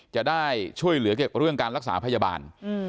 จะได้ช่วยเหลือเกี่ยวกับเรื่องการรักษาพยาบาล